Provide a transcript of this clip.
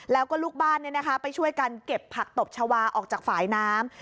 แล้วก็ลูกบ้านไปช่วยกันเก็บผักตบชาวาออกจากฝ่ายน้ำ